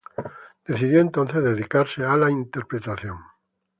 Decidió entonces dedicarse a la interpretación.